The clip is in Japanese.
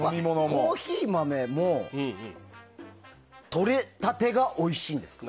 コーヒー豆もとれたてがおいしいですか？